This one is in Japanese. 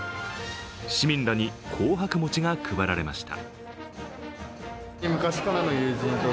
市民らに紅白餅が配られました。